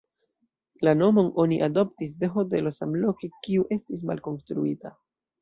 La nomon oni adoptis de hotelo samloke, kiu estis malkonstruita.